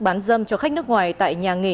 bán dâm cho khách nước ngoài tại nhà nghỉ